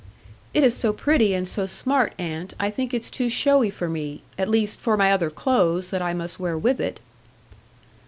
"It is so pretty and so smart, aunt. I think it's too showy for me,—at least for my other clothes, that I must wear with it.